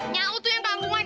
nyau tuh yang kangungan